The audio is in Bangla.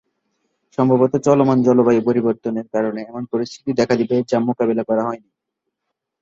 সম্ভবত চলমান জলবায়ু পরিবর্তনের কারণে এমন পরিস্থিতি দেখা দিবে, যা মোকাবিলা করা হয়নি।